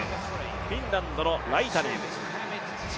フィンランドのライタネン。